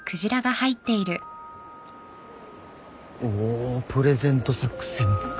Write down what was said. おプレゼント作戦か。